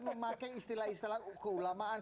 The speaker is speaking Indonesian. memakai istilah istilah keulamaan